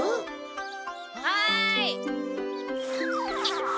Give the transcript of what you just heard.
はい！